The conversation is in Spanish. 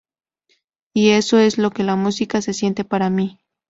Y eso es lo que la música se siente para mí.